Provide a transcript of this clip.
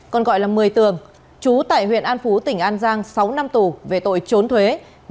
còn gọi là một mươi tường chú tại huyện an phú tỉnh an giang sáu năm tù về tội trốn thuế